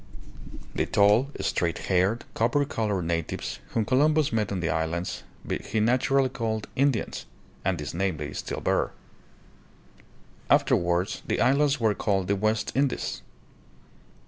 The tall, straight haired, copper colored natives, whom Columbus met on the islands, he naturally called "In dians";' and this name they still bear. Afterwards the islands were called the "West Indies."